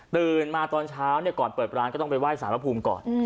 มาตอนเช้าก่อนเปิดร้านก็ต้องไปไห้สารพระภูมิก่อน